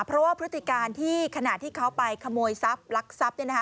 เพราะว่าพฤติการที่ขนาดที่เขาไปขโมยรักทรัพย์